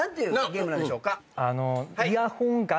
ゲームなんでしょうか？